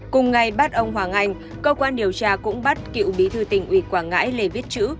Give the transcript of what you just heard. cùng ngày bắt ông hoàng anh cơ quan điều tra cũng bắt cựu bí thư tỉnh ủy quảng ngãi lê viết chữ